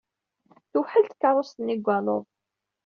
Tewḥel tkeṛṛust-nni deg waluḍ.